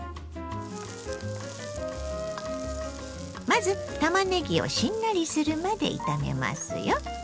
まずたまねぎをしんなりするまで炒めますよ。